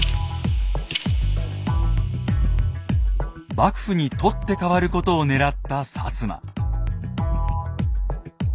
幕府に取って代わることをねらった摩。